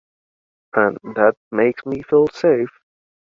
And that makes me feel safe.